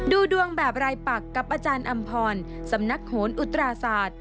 ดูดวงแบบรายปักกับอาจารย์อำพรสำนักโหนอุตราศาสตร์